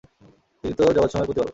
তিনি তো জগতসমূহের প্রতিপালক!